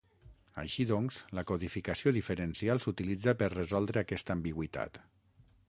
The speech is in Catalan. Així doncs, la codificació diferencial s'utilitza per resoldre aquesta ambigüitat.